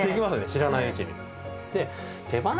知らないうちに。